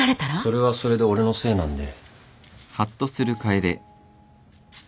それはそれで俺のせいなんで。